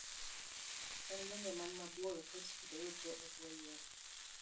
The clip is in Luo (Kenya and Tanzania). E gwenge man maboyo, thoth skunde yudore e bwo yien.